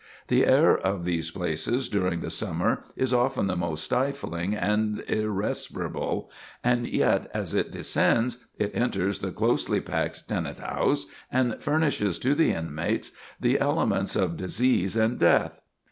The air of these places during the summer is often the most stifling and irrespirable, and yet as it descends it enters the closely packed tenant house and furnishes to the inmates the elements of disease and death.